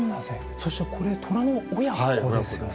そしてこれトラの親子ですよね？